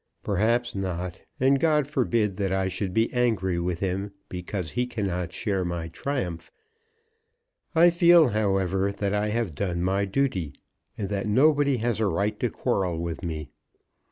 "Perhaps not; and God forbid that I should be angry with him because he cannot share my triumph. I feel, however, that I have done my duty, and that nobody has a right to quarrel with me."